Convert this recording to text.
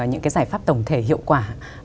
những cái giải pháp tổng thể hiệu quả